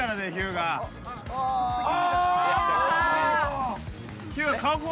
あ！